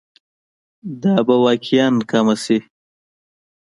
دا به واقعاً کمه شي.